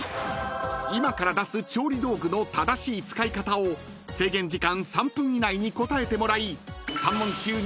［今から出す調理道具の正しい使い方を制限時間３分以内に答えてもらい３問中］